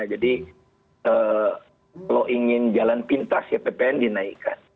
jadi kalau ingin jalan pintas ya ppn dinaikkan